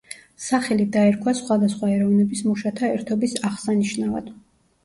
სახელი დაერქვა სხვადასხვა ეროვნების მუშათა ერთობის აღსანიშნავად.